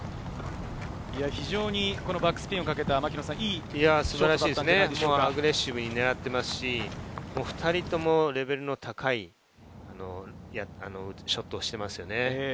非常にバックスピンをかけたアグレッシブに狙っていますし、２人ともレベルの高いショットをしていますよね。